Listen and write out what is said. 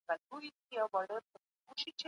سياسي واک کولای سي ټولنه آباده يا تباه کړي.